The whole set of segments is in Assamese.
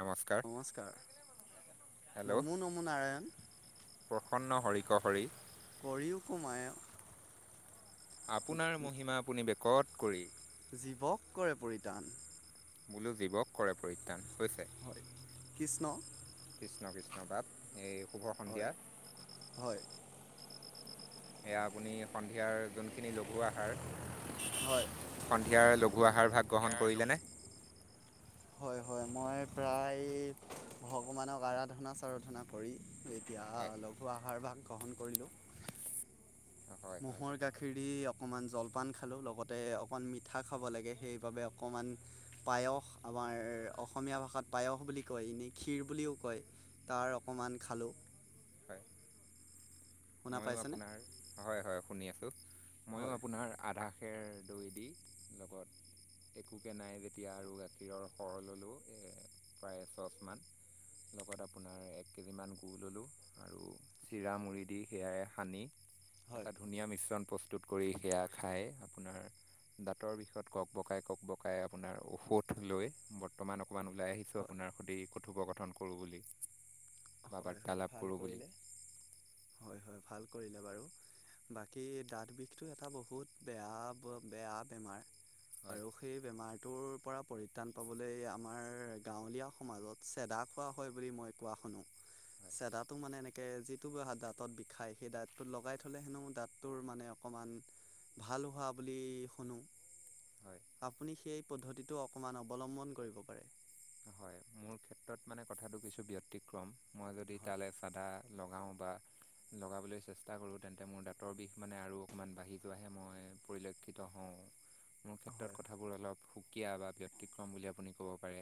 নমস্কাৰ হেল্ল' নমো নমো নাৰায়ণ প্ৰসন্ন হৰিক হৰি কৰিও সোমায় আপোনাৰ মহিমা আপুনি বেকত কৰি জীৱক কৰে পৰিতাণ বোলো জীৱক কৰে পৰিত্ৰাণ হৈছে হয় কৃষ্ণ কৃষ্ণ-কৃষ্ণ বাপ এই শুভ সন্ধিয়া হয় হয় এয়া আপুনি সন্ধিয়াৰ যোনখিনি লঘু আহাৰ হয় সন্ধিয়াৰ লঘো আহাৰ ভাগ গ্ৰহণ ইয়াৰ লগ কৰিলেনে হয় হয় মই প্ৰায় ভগৱানক আৰাধনা-চাৰাধনা কৰি এতিয়া হয় অলপ লঘো আহাৰভাগ গ্ৰহণ কৰিলোঁ। হয় হয় ম'হৰ গাখীৰ দি অকনমান জলপান খালো লগতে অকনমান মিঠা খাব লাগে সেইবাবে অক - আমান পায়স আমাৰ অসমীয়া ভাষাত পায়স বুলি কয় এনেই ক্ষীৰ বুলিও কয় তাৰ অকণমান খালোঁ। হয় শুনা ময়ো পাইছেনে আপোনাৰ হয়-হয় শুনি আছোঁ মইয়ো হয় আপোনাৰ আধা খেৰ দৈ দি লগত একোকে নাই যেতিয়া আৰু গাখীৰৰ সৰহ ল'লোঁ প্ৰায় চচমান লগত আপোনাৰ এক কেজিমান গুড় ল'লোঁ আৰু চিৰা, মুড়ি দি সেয়াই সানি হয় এটা ধুনীয়া মিশ্ৰণ প্ৰস্তুত কৰি সেয়া খায় আপোনাৰ দাঁতৰ বিষত ককবকাই-ককবকাই আপোনাৰ ঔষধ লৈ বৰ্তমান অকনমান ওলাই আহিছোঁ হয় আপোনাৰ সৈতে কথোপকথন কৰোঁ বুলি। বা হয় হয় বাৰ্তালাপ ভাল কৰোঁ বুলি। কৰিলে হয় হয় ভাল কৰিলে বাৰু বাকী দাঁত বিষটো এটা বহুত বেয়া বেয়া বেমাৰ। হয় আৰু সেই বেমাৰ - টোৰ পৰা পৰিত্ৰাণ পাবলৈ আমাৰ গাঁৱলীয়া সমাজত চেদা খোৱা হয় বুলি মই কোৱা শুনো। [unintelligible] হয় চেদাটো মানে এনেকে যিটো দাঁতত বিষাই সেই দাঁতটো লগাই থ'লে হেনো দাঁতৰ মানে অকনমান। ভাল হোৱা বুলি শুনো। হয় আপুনি সেই পদ্ধতিটো অকণমান অৱলম্বন কৰিব পাৰে। হয় মোৰ। ক্ষেত্ৰত মানে কথাটো কিছু ব্যতিক্ৰম মই যদি হয় তালে চাদা লগাওঁ বা - লগাবলৈ চেষ্টা কৰোঁ তেন্তে মোৰ দাঁতৰ বিষ মানে আৰু অকনমান বাঢ়ি যোৱাহে মই পৰিলক্ষিত হওঁ। [unintelligible] মোৰ ক্ষেত্ৰত কথাবোৰ অলপ সুকীয়া বা ব্যতিক্ৰম বুলি আপুনি ক'ব পাৰে।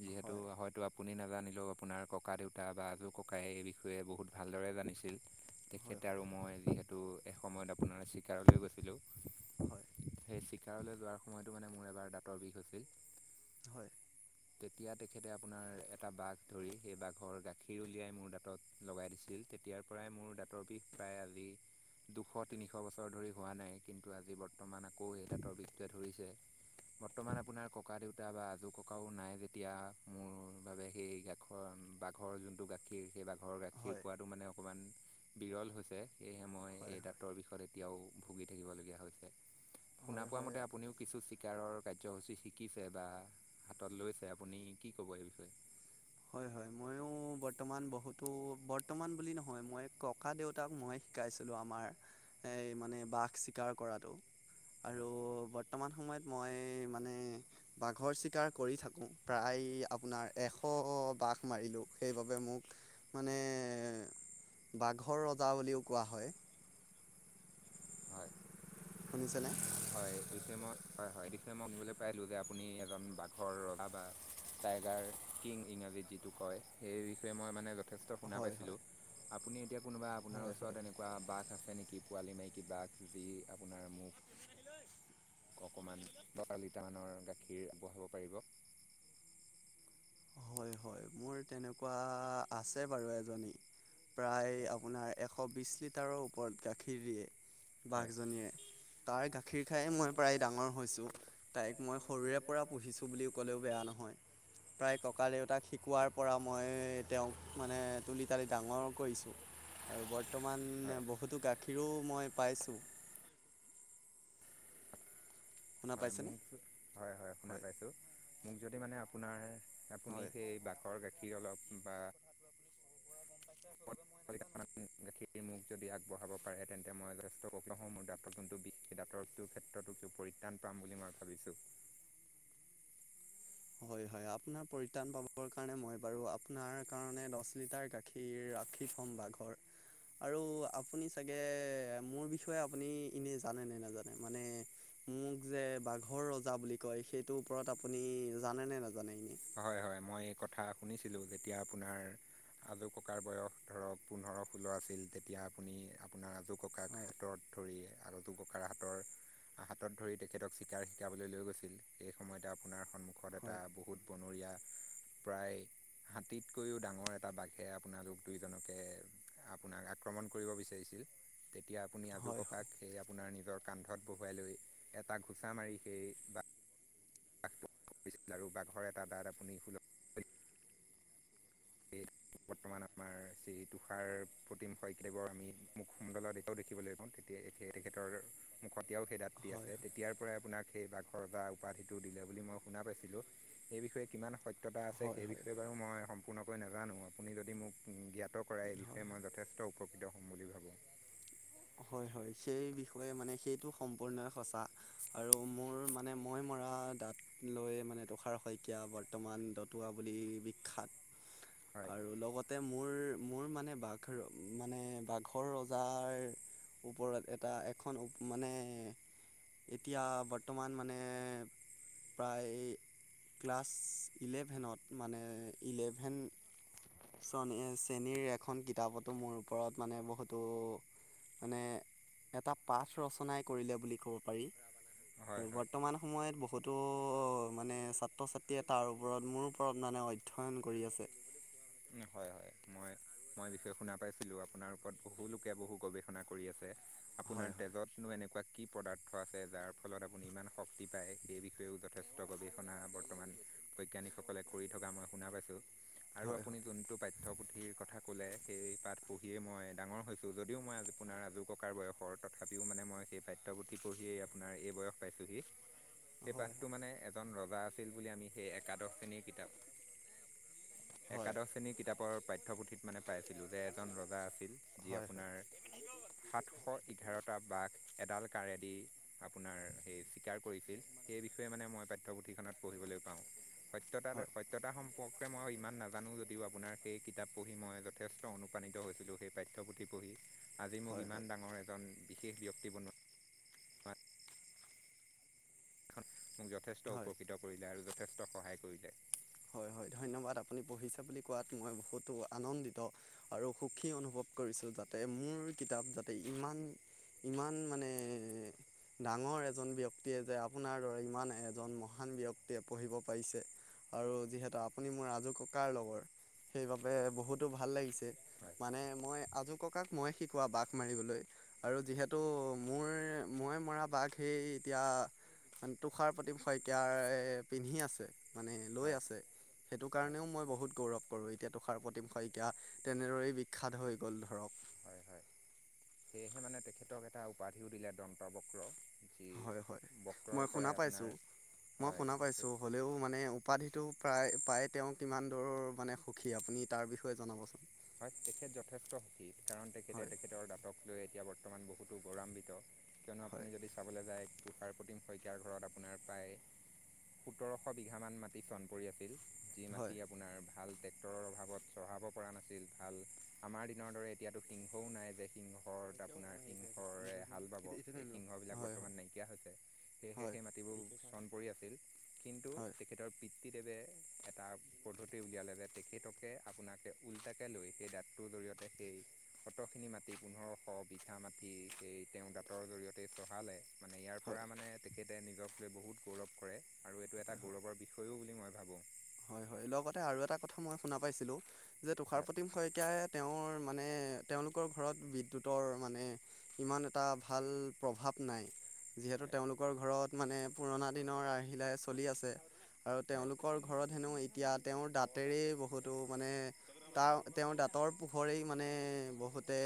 যিহেতু হয় হয়তো আপুনি ন। জানিলেও আপোনাৰ ককা দেউতা বা আজোৰ ককাই এই বিষয়ে বহুত ভালদৰে জানিছিল। হয় তেখেতে হয় আৰু মই যিহেতু এসময়ত আপোনাৰ চিকাৰলৈ গৈছিলোঁ। হয় সেই চিকাৰলৈ যোৱাৰ সময়তো মানে মোৰ এবাৰ দাঁতৰ বিষ হৈছিল। হয়। তেতিয়া তেখেতে আপোনাৰ এটা বাঘ ধৰি সেই বাঘৰ গাখীৰ উলিয়াই মোৰ দাঁত লগাই দিছিল। তেতিয়াৰ পৰাই মোৰ দাঁতৰ বিষ প্ৰায় আজি। দুশ তিনিশ বছৰ ধৰি হোৱা নাই কিন্তু আজি বৰ্তমান আকৌ এই দাঁতৰ বিষটোৱে ধৰিছে। বৰ্তমান আপোনাৰ ককা দেউতা বা আজোৰ ককাও নাই যেতিয়া মোৰ- মোৰ বাবে সেই গাখৰ বাঘৰ যোনটো গাখীৰ সেই বাঘৰৰ গাখীৰ হয় পোৱাটো মানে অকণমান- বিৰল হৈছে সেয়েহে মই এই দাঁতৰ বিষত এতিয়াও ভুগি থাকিবলগীয়া হৈছে। শুনা হয় হয় পোৱা হয় মতে আপুনিও কিছু চিকাৰৰ কাৰ্যসূচী শিকিছে বা হাতত লৈছে। আপুনি কি ক'ব এই বিষয়ে। হয় হয় মইও। বৰ্তমান বহুতো বৰ্তমান বুলি নহয় মই ককা দেউতাক মইে শিকাইছিলোঁ আমাৰ। এই মানে বাঘ চিকাৰ কৰাটো। আৰু হয় বৰ্তমান সময়ত মই মানে বাঘৰ চিকাৰ কৰি থাকো প্ৰায়। আপোনাৰ এশ বাঘ মাৰিলোঁ সেইবাবে মোক মানে- বাঘৰ ৰজা বুলিও কোৱা হয়। হয় শুনিছেনে। হয় এই বিষয়ে মই হয় হয় এই বিষয়ে মই শুনিবলৈ পাইলো যে আপুনি এজন বাঘৰ ৰজা বা টাইগাৰ কিং ই- যিটো কয় সেই বিষয়ে মই মানে- যথেষ্ট শুনা হয় পাইছিলোঁ হয় আপুনি এতিয়া কোনোবা আপোনাৰ হয় ওচৰত হয় এনেকুৱা বাঘ আছে নেকি? কি পোৱালি মাইকী বা কিবা কিবি আপোনাৰ মোক- অকণমান বটলিটাহানৰ গাখীৰ আবঢ়াব পাৰিব। হয় হয় মোৰ তেনেকুৱা আছে বাৰু এজনী। প্ৰায় হয় আপোনাৰ এশ বিশ লিটাৰৰ ওপৰত গাখীৰ দিয়ে। হয় বাঘজনীয়ে তাৰ গাখীৰ খাই মই। প্ৰায় ডাঙৰ হৈছোঁ তাইক মই সৰুৰে পৰা পুহিছোঁ বুলি ক'লেও বেয়া নহয় প্ৰায়। ককা দেউতাক শিকোৱাৰ পৰা মই তেওঁক মানে তুলি তালি ডাঙৰ কৰিছোঁ আৰু বৰ- বৰ্তমান হয় বহুতো গাখীৰো মই পাইছোঁ শুনা হয় পাইছেনে? মোক হয় হয় শুনা পাইছোঁ মোক যদি মানে আপোনাৰ- আপুনি হয়। সেই বাঘৰ গাখীৰ অলপ বা- আচলতে মই নাজানোঁ। গাখীৰ মোক যদি আগবঢ়াব পাৰে তেন্তে মই যথেষ্ট কোংল মোৰ দাঁতৰ যোনটো বিষেই দাঁতৰটোৰ ক্ষেত্ৰতো কিয় পৰিত্ৰাণ পা পাম বুলি মই ভাবিছোঁ। [inaudible] হয় হয় আপোনাৰ পৰিত্ৰাণ পাবৰ কাৰণে মই বাৰু আপোনাক কাৰণে দহ লিটাৰ গাখীৰ ৰাখি থ'ম বাঘৰ আৰু আপুনি চাগে মোৰ বিষয়ে আপুনি এনে জানে নে নাজানে মানে মোক যে বাঘৰ ৰজা বুলি কযয়। সেইটোৰ ওপৰত আপুনি জানে নে নাজান হয় হয় মই এই কথা শুনিছিলো যেতিয়া আপোনাৰ! আজো ককাৰ বয়স ধৰক পোন্ধৰ ষোল্ল আছিল তেতিয়া আপুনি আপোনাৰ আজৌ ককাক হয় হাতত ধৰি আগতে ককাৰ হাতীৰ হাতত ধৰি তেখেতক চিকাৰ শিকাবলৈ লৈ গৈছিল এই সময়তে আপোনাৰ সন্মুখত এটা হয় বহুত বনৰীয়া [inaudible] প্ৰায় হাতীতকৈও ডাঙৰ এটা বাঘে আপোনালোক দুইোজনকে আপোনাক আক্ৰমণ কৰিব বিচাৰিছিল। হয়। এতিয়া আপুনি আজু হয় ককাক সেই আপোনাৰ নিজৰ কান্ধত বহুৱাই লৈ এটা ঘোচা মাৰি সেই বা বাঘ কৰিছিল আৰু বাঘৰ এটা দাঁত আপুনি খুল [unintelligible] বৰ্তমান আমাৰ শ্ৰী তুষাৰ প্ৰতিম শয় কিতৱৰ আমি মুখমণ্ডলৰ দেশেও দেখিবলৈ পাওঁ তেতিয়াই তেখ তেখেতৰ মুখতেও সেই দাঁত দি হয় আছে তেতিয়াৰ পৰাই আপোনাক সেই বা ঘৰ যা উপাধিটো দিলে বুলি মই শুনা পাইছিলো এই বিষয়ে কিমান স্য় সত্যতা আছে হয় সেই হয় হয় বিষয়ে বাৰু মই পোৰ্ণকৈ নাজানো আপুনি যদি মোক জ্ঞাত কৰাই এই হয় বিষয়ে হয় মই যথেষ্ট উপকৃত হ'ম বুলি ভাবোঁ [unintelligible] হয় হয় সেই বিষয়ে মানে সেইটো সম্পূৰ্ণই সঁচা আৰু মোৰ মানে মই ম দাঁত লৈ মানে তুষাৰ শইকীয়া বৰ্তমান দতুৱা বুলি বিখ্যাত হয় আৰু লগতে মোৰ মোৰ মানে বাঘ মানে বাঘৰ ৰজাৰ ওপৰত এটা এখন মানে এতিয়া বৰ্তমান মানে প্ৰায় ক্লাছ ইলেভেনত মানে ইলেভেন চনী চেনীৰ এখন কিতাপতো মোৰ ওপৰত মানে বহুতো মানে এটা পাঠ ৰচনাই কৰিলে বুলি ক'ব পাৰি হয় আৰু হয় বৰ্তমান সময়ত বহুত বহুতো মানে ছাত্ৰ ছাত্ৰীয়ে তাৰ ওপৰত মোৰ ওপৰত মানে অধ্যয়ন কৰি আছে। হয় হয় মই মই বিষয়ে শুনা পাইছিলোঁ। আপোনাৰ ওপৰত বহুুলোকে বহু গৱেষণা কৰি আছে। আপোনাৰ হয় হয় তেজত নো এনেকুৱা কি পদাৰ্থ আছে যাৰ ফলত আপুনি ইমান শক্তি পায় সেই বিষয়েও যথেষ্ট গৱেষণা বৰ্তমান! বৈজ্ঞানিকসকলে কৰি থকা মই শু পাইছোঁ আৰু হয় [unintelligible] যোনটো পাঠ্যপুথিৰ কথা ক'লে সেই পাঠ পঢ়িয়ে মই ডাঙৰ হৈছোঁ যদিও মই আজি পোনাৰ ৰাজু টকাৰ বয়সৰ তথাপিও মানে মই সেই পাঠ্যপুথি পঢ়িয়েই আপোনাৰ এই বয়স পাইছোঁহি। সেই হয় পাঠটো মানে এজন ৰজা আছিল বুলি আমি সেই একাদশ শ্ৰেণীৰ কিতাপ [unintelligible] একাদশ শ্ৰেণীৰ কিতাপৰ পাঠ্যপুথিত মানে পাইছিলোঁ যে এজন ৰজা আছিল যি হয় হয় হয় আপোনাৰ সাতশ এঘাৰটা বাঘ এডাল কাৰডেদি আপোনাৰ সেই স্বীকাৰ কৰিছিল সেই বিষয়ে মানে মই পাঠ্যপুথিখনত পঢ়িবলৈ পাওঁ সত্যতাৰ হয় সত্যতা সম্পৰ্কে মই ইমান নাজো জানো যদিও আপোনাৰ সেই কিতাপ পঢ়ি মই যথেষ্ট অনুপ্ৰাণিত হৈছিলোঁ সেই পাঠ্যপুথি পঢ়ি আজি মোক মোক হয় ইমান হয় ডাঙৰ এজন বিশেষ ব্যক্তি বনোৱা খন মোক যথেষ্ট হয় উপকৃত কৰিলে আৰু যথেষ্ট সহায় কৰিলে হয় হয় ধন্যবাদ আপুনি পঢ়িছে বুলি কোৱাত মই বহুতো আনন্দিত আৰু সুখী অনুভৱ কৰিছোঁ যাতে মোৰ কিতাপ যাতে ইমান ইমান মানে ডাঙৰ এজন ব্যক্তিয়ে যে আপোনাৰ দৰে ইমান এজন মহান ব্যক্তিয়ে পঢ়িব পাৰিছে আৰু যিহেতু আপুনি মোৰ আজু ককাৰ লগৰ সেইবাবে বহুতো ভাল লাগিছে হয় মানে মই আজো ককাক মই শিকোৱা বাঘ মাৰিবলৈ আৰু যিহেতু মোৰ মই মৰা বাঘ সেই এতিয়া তুষাৰ প্ৰতি শইকীয়াৰ পিন্ধি আছে [unintelligible] মানে লৈ হয় আছে সেইটো হয় কাৰণেও মই বহুত গৌৰৱ কৰো এতিয়া তুষাৰ প্ৰতিম শইকীয়া তেনেদৰেই বিখ্যাত হৈ গল ধৰক হয় হয় সেয়েহে মানে তেখেতক এটা উপাধিও দিলে দন্ত বক্ৰ [unintelligible] হয় হয় বক্ৰৰ মই শুনা পৰাই আপোনাৰ পাইছোঁ মই হয় শুনা পাইছোঁ হ'লেও মানে উপাধিটো প্ৰায় প্ৰায় তেওঁ কিমান দূৰৰ মানে সুখী আপুনি তাৰ বিষয়ে জনাবচোন হয় তেখেত যথেষ্ট সুখী কাৰণ তেখেতে হয় তেখেতৰ দাঁতক লৈ এতিয়া [unintelligible] বৰ্তমান বহুতো গৌৰৱান্বিত কিয়নো আপুনি হয় যদি চাবলৈ যায় তুষাৰপম শইকীয়াৰ ঘৰত আপোনাৰ প্ৰায় সোতৰশ বিঘামান মাটি চন পৰি আছিল [unintelligible] যি হয় মাটি আপোনাৰ ভাল ট্ৰেক্টৰৰ অভাৱত চহাব পৰা নাছিল। ভাল আমাৰ দিনৰ দৰে এতিয়াতো সিংহও নাই যে সিংহ ঘৰত আপোনালসিংহৰে হাল বাব এইবিলাক হয় হয় ধৰক নাইকীয়া হৈছে। হয় [unintelligible] চন পৰি আছিল কিন্তু হয় তেখেতৰ পি [unintelligible] তিদেৱে এটা পদ্ধতি উলিয়ালে যে তেখেতকে আপোনাকে ল [unintelligible] লৈ সেই দাক টোৰ জৰিয়তে সেই শতখিনি মাটি পোন্ধৰশ বিঘা মান সেই [unintelligible] দাক ৰ জৰিয়তে চহালে মানে ইয়াৰ হয় পৰা মানে তেখেতে নিজক সকলোৱে বহুত গৌৰৱ কৰে আৰু এইটো এটা হয় গৌৰৱৰ বিষয়ো বুলি মই ভাবোঁ [unintelligible] হয় হয় লগতে আৰু এটা কথা মই শুনা পাইছিলো যে তুষাৰ হয় প্ৰতীম শইকাই তেওঁৰ [unintelligible] মানে তেওঁলোকৰ ঘৰত বিদ্যুতৰ মানে ইমান এটা ভাল প্ৰভাৱ নাই যিহেতু তেওঁলোকৰ ঘৰত মানে পুৰণা দিনৰ আৰ্হিলাহ চলি আছে আৰু হয় তেওঁলোকৰ ঘৰত হেনো এতিয়া তেওঁৰ দাঁতেৰেই বহুতো মানে তাৰ তেওঁৰ দাঁতৰ পোখৰেই মানে বহুতে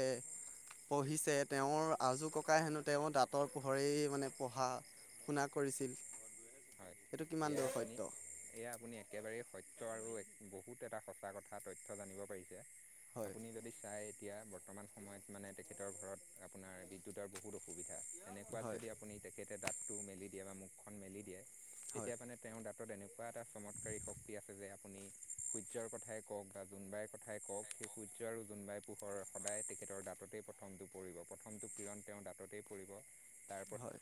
পঢ়িছে তেওঁৰ আজো ককাই হেনো তেওঁৰ দাঁতৰ পোহৰে মানে পঢ়া [unintelligible] শুনা কৰিছিল। হয় এইটো কিমান এয়া দূৰ আপুনি সত্য এয়া আপুনি এক একেবাৰাৰে সত্য আৰু এক বহুত এটা সঁচা কথা তথ্য জানিব পাৰিছে হয় আপুনি যদি চাই এতিয়া বৰ্তমান সময়ত মানে তেখেতৰ ঘৰত আপোনাৰ বিদ্যুতৰ বহুত অসুবিধা তেনেকুৱাত হয় যদি আপুনি তেখেতে দাঁতটো মেলি দিয়ে বা মুখখন মেলি দিয়ে হয় তেতিয়া মানে তেওঁৰ দাঁত [unintelligible] ক্ৰত এনেকুৱা এটা চমৎকাৰী শক্তি আছে যে আপুনি সূৰ্যৰ কথাই কওক বা জোনবাইৰ কথাই কওক সেই সূৰ্য আৰু জোনবাই পোহৰ সদায় তেখেতৰ দাঁততেই প্ৰথমটো পৰিব প্ৰথমটো কিৰণ তেওঁৰ দাঁততেই পৰিব তাৰ প হয়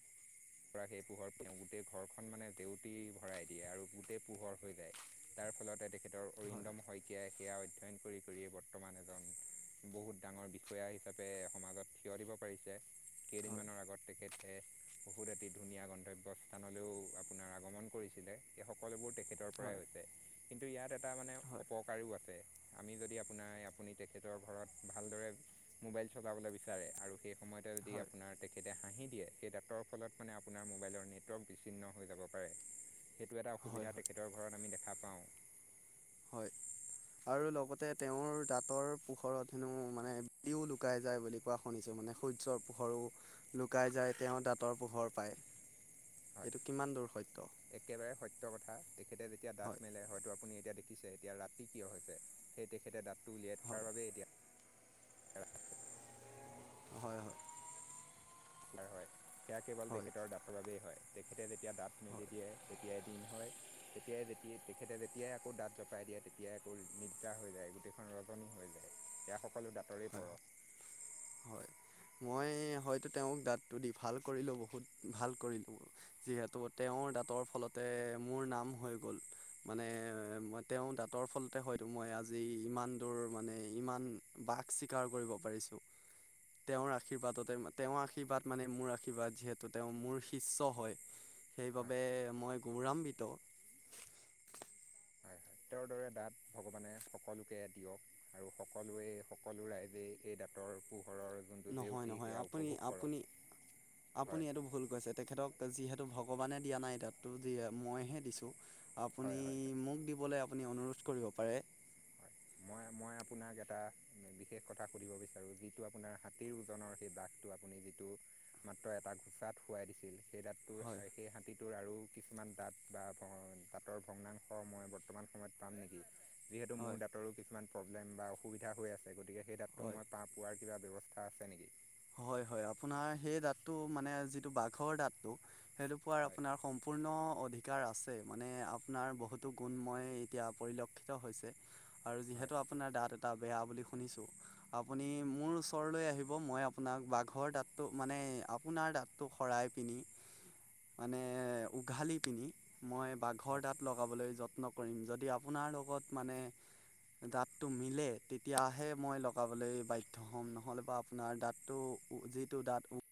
ৰাক সেই পোহৰ প গোটেই ঘৰখন মানে জেউতি ভৰাই দিয়ে আৰু গোটেই পোহৰ হৈ যায়। তাৰ ফলতে তেখেতৰ হয় অৰিন্দম শইকীয়াই সেয়া অধ্যয়ন কৰি কৰি বৰ্তমান এজন বহুত ডাঙৰ বিষয়া হিচাপে সমাজত থিয় দিব পাৰিছে। হয় কেইদিনমানৰ আগত তেখেতে বহুত এটি ধুনীয়া গন্তব্যস্থানলৈও আপোনাৰ আগমন কৰিছিলে স সকলোবোৰ তেখেতৰ পৰাই হয় হৈছে। কিন্তু ইয়াত এটা মানে হয় অপকাৰও আছে আমি যদি আপোনাৰ আপুনি তেখেতৰ ঘৰত ভাল ভালদৰে মোবাইল চলাবলৈ বিচাৰে আৰু সেই সময়তে যদি হয় আপোনাৰ তেখেতে হাঁহি দিয়ে সেই দাঁতৰ ফলত মানে আপোনাৰ মোবাইলৰ নেটৱৰ্ক বিচ্ছিন্ন হৈ যাব পাৰে। সেইটো এটা হয় অসুবিধা হয় তেখেতৰ ঘৰত আমি দেখা পাওঁ। হয়। আৰু লগতে তেওঁৰ দাঁতৰ পোহৰত হেনো মানে বিও লুকাই যায় বুলি কোৱা শুনিছো [unintelligible] মানে সূৰ্যৰ পোহৰো লুকাই যায়, তেওঁ দাঁতৰ পোহৰ পায়। হয় এইটো কিমান দূৰ সত্য একেবাৰে সত্য কথা তেখেতে যেতিয়া হয় দাঁত মেলে হয়তো আপুনি। এতিয়া দেখিছে এতিয়া ৰাতি কিয় হৈছে সেই তেখেতে দাঁতটো উলিয়াই থকাৰ হয় বাবে এতিয়া হে [inaudible] হয় - হয়। ৰ হয়। সেয়া কেৱল হয় তেখেতৰ দাঁতৰ বাবেই হয়। তেখেতে যেতিয়া দাঁত মেলি হয় দিয়ে তিয়াই দিন হয়। তেতিয়াই যেতি- তেখেতে যেতিয়াই আকৌ দাঁত জপাই দিয়ে, তেতিয়াই আকৌ নিদ্ৰা হৈ যায়। তেখন ৰজনী হৈ যায়। সেয়া সকলো দাঁতৰে হয় পৰশ। হয়। মই হয়তো তেওঁক দাঁতটো দি ভাল কৰিলোঁ। বহুত ভাল কৰিলোঁ ম-, যিহেতু তেওঁৰ দাঁতৰ ফলতে এ মোৰ নাম হৈ গ'ল। মানে ম- তেঁওৰ দাঁতৰ ফলতে হয়তো মই আজি ই মান দূৰ মানে, ইমান বাক শ্বীকাৰ কৰিব পাৰিছোঁ। তেওঁৰ আশীৰ্বাদতে- তেওঁৰ আশীৰ্বাদ মানে মোৰ আৰ্শীৰ্বাদ, যিহেতু তেওঁ মোৰ শিষ্য হয়। হয় সেইবাবে মই গৌৰাম্বিত। হয় তেওঁৰ দৰে দাঁত ভগৱানে সকলোকে দিয়ক। আৰু সকলোৱে সকলো ৰাইজে এই দাঁতৰ অসু নহয় - নহয়, আপুনি- আপুনি- আপুনি হয় এইটো ভুল কৈছে। তেখেতক যিহে তু ভগৱানে দিয়া নাই দাঁতটো দি- মই হে দিছোঁ। আপুনি হয় হয় হয় মোক দিবলে আপুনি অনুৰোধ কৰিব পাৰে। হয় মই মই আপোনাক এটা বিশেষ কথা সুধিব বিচাৰোঁ, যিটো আপোনাৰ হাতীৰ ওজনৰ সেই দাঁতটো আপুনি যি টো মাত্ৰ এটা ঘোঁচাত শুৱাই দিছিল। সেই দাঁতটোৰ- হয় সেই হাতীটোৰ আৰু কিছুমান দাঁত বা ভ- দাঁতৰ ভগ্নাংশ মই বৰ্তমান সময়ত পাম নেকি? যিহেতু মোৰ হয় দাত কিছুমান প্ৰব্লেম বা অসুবিধা হৈ আছে। গতিকে সেই দাঁতটো হয় মই পা- পোৱাৰ কিবা ব্যৱস্থা আছে নেকি? হয় - হয়, আপোনাৰ সেই দাঁতটো মানে যিটো বাঘৰ দাঁতটো, সেইটো পোৱাৰ হয় আপোনাৰ সম্পূৰ্ণ অধিকাৰ আছে। মানে আপোনাৰ বহুতো গুণ মই এতিয়া পৰিলক্ষিত হৈছে। আৰু হয় যিহেতু আপোনাৰ দাঁত এটা বেয়া বুলি শুনিছোঁ, আপুনি মোৰ ওচৰলৈ আহিব। মই আপোনাক বাঘৰ দাঁতটো মানে, আপোনাৰ দাঁতটো সৰাই পিনি মানে উঘালি পিনি, মই হয় বাঘৰ দাত লগাবলৈ যত্ন কৰিম। যদি আপোনা নাৰ লগত মানে দাঁতটো মিলে, তেতিয়াহে মই লগাবলৈ বাধ্য হ'ম। নহ'লে বা আপোনাৰ দাঁত টো যিটো দাঁত